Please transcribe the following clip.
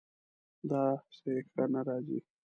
داسې ښه نه راځي